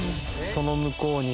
その向こうに。